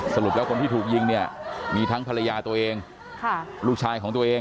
สรุปแล้วคนที่ถูกยิงเนี่ยมีทั้งภรรยาตัวเองลูกชายของตัวเอง